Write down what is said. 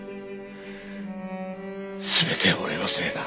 全て俺のせいだ。